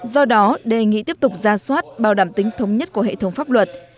do đó đề nghị tiếp tục ra soát bảo đảm tính thống nhất của hệ thống pháp luật